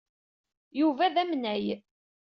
Yuba d amnay.